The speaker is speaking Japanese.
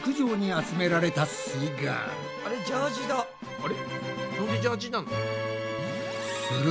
あれ？